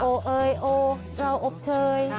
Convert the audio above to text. โอ้เอยโอ้เจ้าอบเชย